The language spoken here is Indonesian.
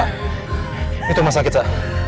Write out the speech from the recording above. ini rumah sakit sa